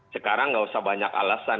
sekarang nggak usah banyak alasan